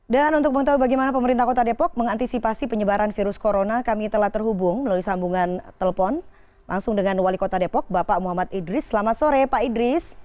dan untuk mengetahui bagaimana pemerintah kota depok mengantisipasi penyebaran virus corona kami telah terhubung melalui sambungan telepon langsung dengan wali kota depok bapak muhammad idris selamat sore pak idris